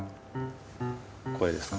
これですか？